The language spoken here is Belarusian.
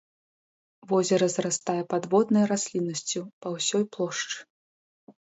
Возера зарастае падводнай расліннасцю па ўсёй плошчы.